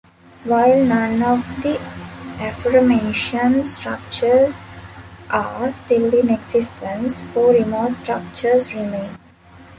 While none of the aforementioned structures are still in existence, four remote structures remain.